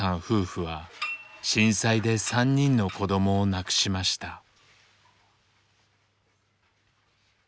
夫婦は震災で３人の子どもを亡くしました。